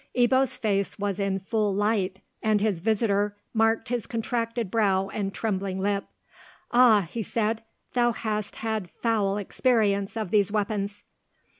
Ebbo's face was in full light, and his visitor marked his contracted brow and trembling lip. "Ah!" he said, "thou hast had foul experience of these weapons."